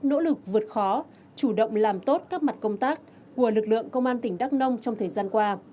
nỗ lực vượt khó chủ động làm tốt các mặt công tác của lực lượng công an tỉnh đắk nông trong thời gian qua